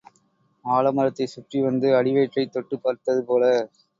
ஆலமரத்தைச் சுற்றி வந்து அடிவயிற்றைத் தொட்டுப் பார்த்தது போல.